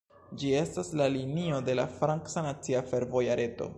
Ĝi estas la linio de la franca nacia fervoja reto.